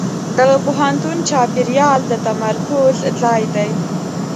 د پوهنتون چاپېریال د تمرکز ځای دی.